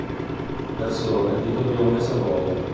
Persone di cognome Savoia